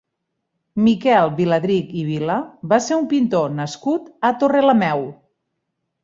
Miquel Viladrich i Vila va ser un pintor nascut a Torrelameu.